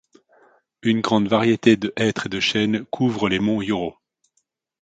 Une grande variété de hêtres et de chênes couvrent les monts Yōrō.